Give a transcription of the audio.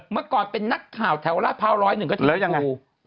เมื่อก่อนเป็นนักข่าวแถวราชภาว๑๐๑